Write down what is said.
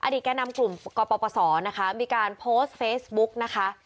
แก่นำกลุ่มกปศนะคะมีการโพสต์เฟซบุ๊กนะคะ